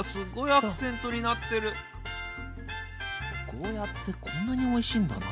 ゴーヤーってこんなにおいしいんだな。